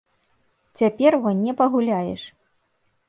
Цяпер во не пагуляеш.